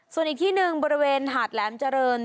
ส่วนอีกที่หนึ่งบริเวณหาดแหลมเจริญ